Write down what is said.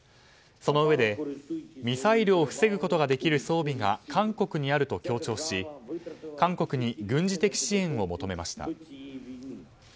そのうえでミサイルを防ぐことができる装備が韓国にあると強調し韓国に軍事的支援を求めました。